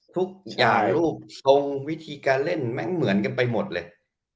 ทุกอย่างรูปทรงวิธีการเล่นแม่งเหมือนกันไปหมดเลย